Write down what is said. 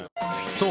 そう。